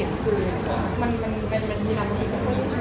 ตอนเลือกกับคุณเป็นคนที่ฉันไม่ใช่